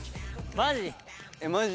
マジ？